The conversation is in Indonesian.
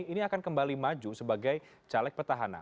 ini akan kembali maju sebagai caleg petahana